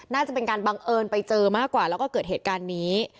น่าจะเป็นการบังเอิญไปเจอมากกว่าแล้วก็เกิดเหตุการณ์นี้